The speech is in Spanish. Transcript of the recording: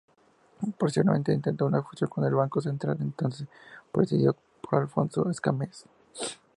Posteriormente, intentó una fusión con el Banco Central, entonces presidido por Alfonso Escámez.